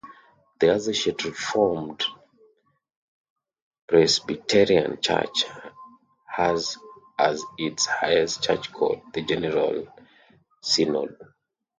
The Associate Reformed Presbyterian Church has as its highest Church court the General Synod.